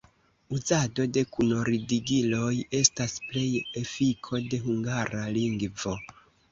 Uzado de kunordigiloj estas pleje efiko de Hungara lingvo.